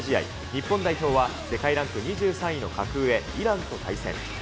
日本代表は、世界ランク２３位の格上、イランと対戦。